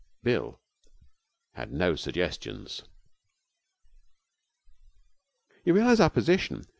Bill had no suggestions. 'You realize our position?